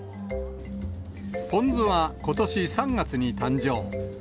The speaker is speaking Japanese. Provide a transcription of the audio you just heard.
ぽんずはことし３月に誕生。